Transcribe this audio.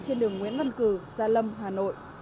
trên đường nguyễn văn cử gia lâm hà nội